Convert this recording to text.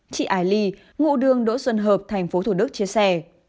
chị ái ly ngụ đường đỗ xuân hợp tp thủ đức chia sẻ